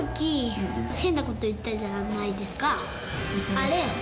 あれ。